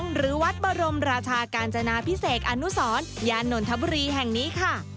หรือวัดบรมราชากาญจนาพิเศษอนุสรยานนทบุรีแห่งนี้ค่ะ